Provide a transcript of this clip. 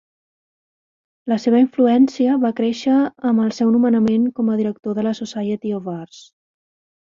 La seva influència va créixer amb el seu nomenament com a director de la Society of Arts.